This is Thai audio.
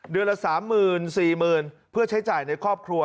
เดือนละสามหมื่นสี่หมื่นเพื่อใช้จ่ายในครอบครัว